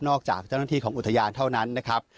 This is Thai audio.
จากเจ้าหน้าที่ของอุทยานเท่านั้นนะครับ